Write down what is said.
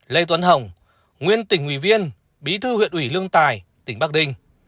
lê tuấn hồng nguyên tỉnh ủy viên bí thư huyện ủy lương tài tỉnh bắc đinh